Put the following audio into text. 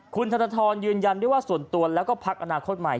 คุณธนทรยืนยันด้วยว่าส่วนตัวแล้วก็พักอนาคตใหม่